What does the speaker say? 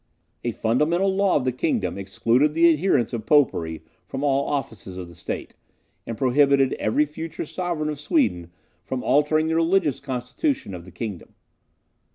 A fundamental law of the kingdom excluded the adherents of popery from all offices of the state, and prohibited every future sovereign of Sweden from altering the religious constitution of the kingdom.